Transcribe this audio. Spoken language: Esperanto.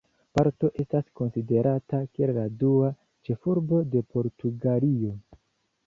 Porto estas konsiderata kiel la dua ĉefurbo de Portugalio.